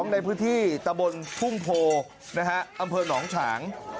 ในที่ตะบลทุ่งโพรอนองฉัง